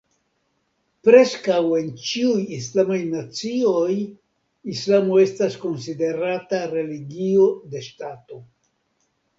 Preskaŭ en ĉiuj islamaj nacioj, Islamo estas konsiderata religio de ŝtato.